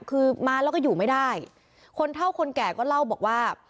คือมาแล้วก็อยู่ไม่ได้คนเท่าคนแก่ก็เล่าบอกว่า